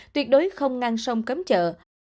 tuyệt đối không ngăn sông cấm trợ